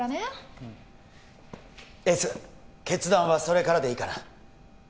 うんエース決断はそれからでいいかな？